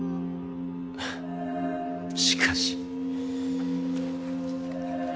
しかし。